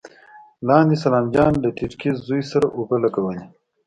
لاندې سلام جان له ټيټکي زوی سره اوبه لګولې.